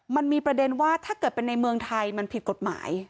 มันมีประเด็นว่าถ้าเกิดเป็นในเมืองไทยมันผิดกฎหมาย